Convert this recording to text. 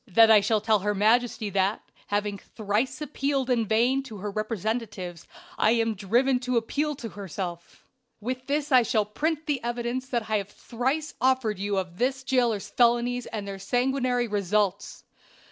Then I shall tell her majesty that, having thrice appealed in vain to her representatives, I am driven to appeal to herself; with this I shall print the evidence I have thrice offered you of this jailer's felonies and their sanguinary results.